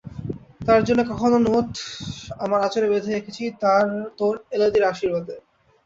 তোর জন্যে কখানা নোট আমার আঁচলে বেঁধে রেখেছি, তোর এলাদির আশীর্বাদ।